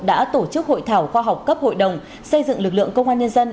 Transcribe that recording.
đã tổ chức hội thảo khoa học cấp hội đồng xây dựng lực lượng công an nhân dân